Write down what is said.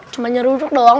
cuma nyeruduk doang